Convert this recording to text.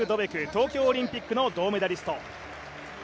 東京オリンピックの銅メダリスト。